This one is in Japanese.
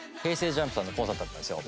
ＪＵＭＰさんのコンサートだったんですよ。